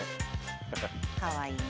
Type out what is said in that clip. かわいいな。